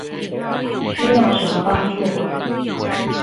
需要什麼幫助嗎？